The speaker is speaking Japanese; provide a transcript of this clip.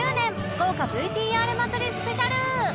豪華 ＶＴＲ 祭りスペシャル